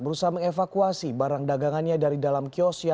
berusaha mengevakuasi barang dagangannya dari dalam kios yang belum terbakar